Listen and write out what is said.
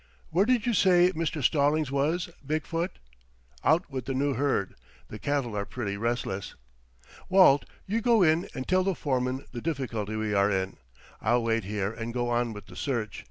Where did you say Mr. Stallings was, Big foot?" "Out with the new herd. The cattle are pretty restless." "Walt, you go in and tell the foreman the difficulty we are in. I'll wait here and go on with the search.